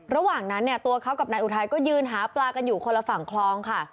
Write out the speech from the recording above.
ระหว่างนั้นเนี่ยตัวเขากับนายอุทัยก็ยืนหาปลากันอยู่คนละฝั่งคลองค่ะ